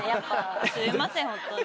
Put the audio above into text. すいませんホントに。